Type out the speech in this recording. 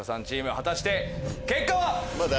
チーム果たして結果は？